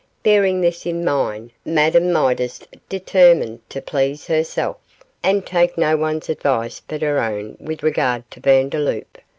Bearing this in mind, Madame Midas determined to please herself, and take no one's advice but her own with regard to Vandeloup.